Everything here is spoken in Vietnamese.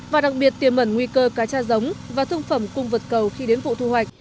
và đặc biệt tiềm mẩn nguy cơ cá cha giống và thương phẩm cung vật cầu khi đến vụ thu hoạch